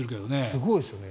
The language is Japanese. すごいですよね。